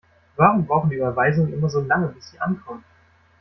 Warum brauchen Überweisungen immer so lange, bis sie ankommen?